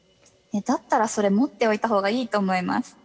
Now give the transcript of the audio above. だったらそれ持っておいたほうがいいと思います。